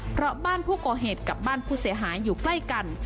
เพราะบ้านผู้ก่อเหตุกับบ้านผู้เสียหายอยู่ใกล้กัน